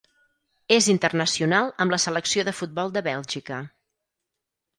És internacional amb la selecció de futbol de Bèlgica.